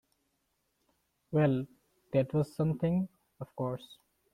Well, that was something, of course.